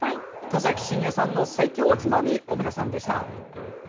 田崎真也さんの「最強おつまみ」小村さんでした。